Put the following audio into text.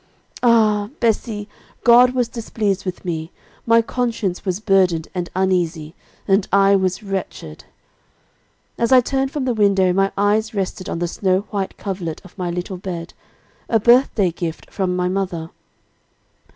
Ah! Bessie, God was displeased with me, my conscience was burdened and uneasy, and I was wretched. "As I turned from the window, my eyes rested on the snow white coverlet of my little bed, a birthday gift from my mother.